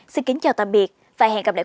xin kính chào tạm biệt và hẹn gặp lại